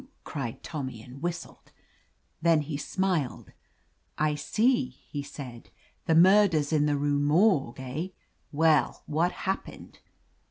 cried Tommy and whistled. Then he smiled. "I see," he said; "The Mur ders in the Rue Morgue, eh? Well, what happened